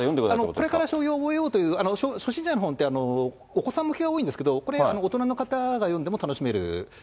これから将棋を覚えようという、初心者の本って、お子さん向けが多いんですけど、これ、大人の方が読んでる楽しめ